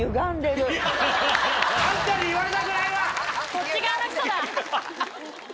こっち側の人だ。